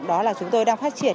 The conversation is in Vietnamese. đó là chúng tôi đang phát triển